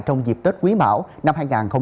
trong dịp tết quý mão năm hai nghìn hai mươi bốn